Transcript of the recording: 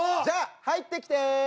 じゃあ入ってきて！